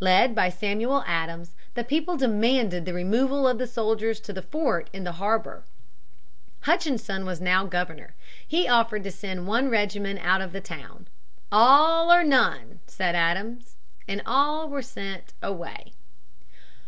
Led by Samuel Adams, the people demanded the removal of the soldiers to the fort in the harbor. Hutchinson was now governor. He offered to send one regiment out of the town. "All or none," said Adams, and all were sent away.